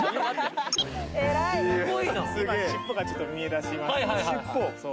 今尻尾がちょっと見えだしましたね